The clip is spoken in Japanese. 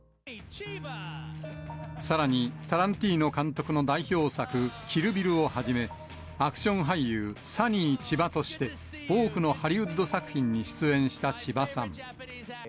さらに、タランティーノ監督の代表作、キル・ビルをはじめ、アクション俳優、サニー・チバとして多くのハリウッド作品に出演した千葉さん。